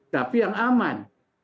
tapi yang aman